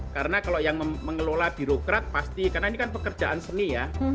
karena kalau yang mengelola birokrat pasti karena ini kan pekerjaan seni ya